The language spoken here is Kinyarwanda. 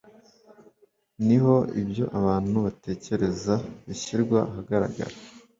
ni ho ibyo abantu batekereza bishyirwa ahagaragara.